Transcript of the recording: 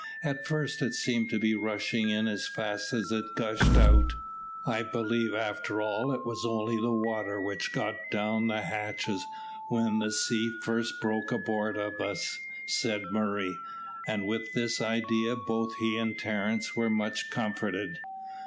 At first it seemed to be rushing in as fast as it gushed out. "I believe after all it was only the water which got down the hatches when the first sea broke aboard of us," said Murray, and with this idea both he and Terence were much comforted.